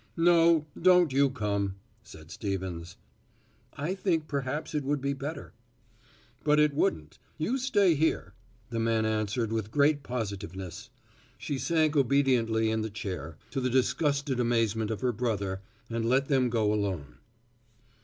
"No, don't you come," said Stevens. "I think perhaps it would be better." "But it wouldn't. You stay here," the man answered with great positiveness. She sank obediently in the chair, to the disgusted amazement of her brother, and let them go alone.